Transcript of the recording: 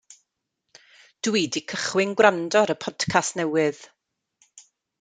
Dw i 'di cychwyn gwrando ar y podcast newydd.